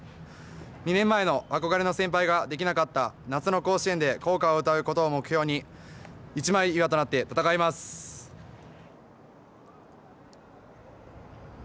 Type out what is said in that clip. ２年前の憧れの先輩ができなかった夏の甲子園で校歌を歌うことを目標に一枚岩となって戦います。